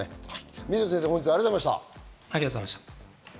水野先生、本日はありがとうございました。